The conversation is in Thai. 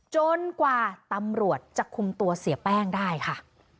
กว่าตำรวจจะคุมตัวเสียแป้งได้ค่ะ